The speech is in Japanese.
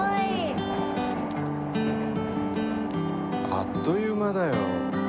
あっという間だよ。